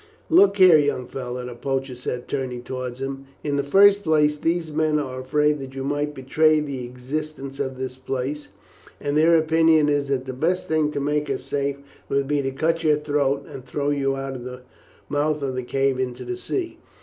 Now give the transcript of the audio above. "Look here, young fellow!" the poacher said, turning towards him. "In the first place, these men are afraid that you may betray the existence of this place, and their opinion is that the best thing to make us safe would be to cut your throat and throw you out of the mouth of the cave into the sea.